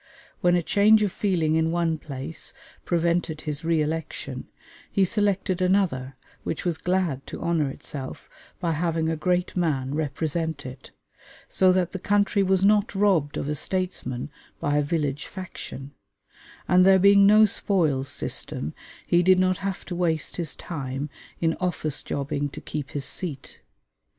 When a change of feeling in one place prevented his re election, he selected another which was glad to honor itself by having a great man represent it, so that the country was not robbed of a statesman by a village faction; and there being no spoils system, he did not have to waste his time in office jobbing to keep his seat.